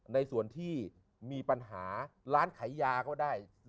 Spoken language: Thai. ในส่วนที่มีปัญหาร้านขายยาก็ได้